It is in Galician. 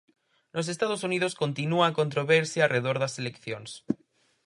Nos Estados Unidos continúa a controversia arredor das eleccións.